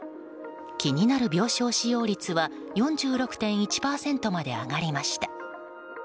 気になる病床使用率は４６．１％まで上がりました。